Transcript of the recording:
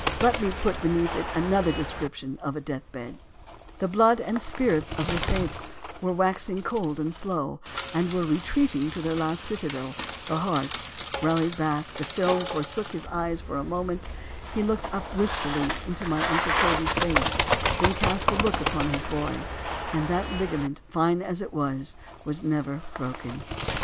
Let me put beneath it another description of a death bed: The blood and spirits of Le Fevre, which were waxing cold and slow, and were retreating to their last citadel, the heart — rallied back, — the film forsook his eyes for a moment, — he looked up wistfully into my Uncle Toby's face, — then cast a look upon his boy, — and that ligament, fine as it was, — was never broken.